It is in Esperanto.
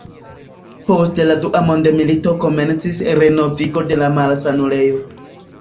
Post la dua mondmilito komencis renovigo de la malsanulejo.